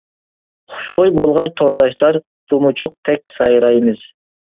خۇشخۇي بولغاچ تورداشلار، تۇمۇچۇق تەك سايرايمىز.